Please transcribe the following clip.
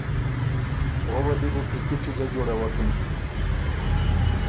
وۀ وه دی بو پیکِټی ګۀ جوړوکِن